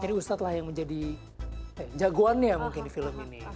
jadi ustad lah yang menjadi jagoannya mungkin di film ini